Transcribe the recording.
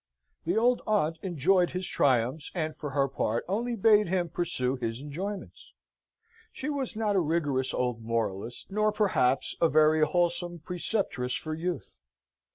The old aunt enjoyed his triumphs, and for her part only bade him pursue his enjoyments. She was not a rigorous old moralist, nor, perhaps, a very wholesome preceptress for youth.